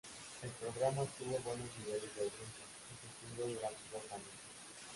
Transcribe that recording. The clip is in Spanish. El programa tuvo buenos niveles de audiencia y se extendió durante dos años.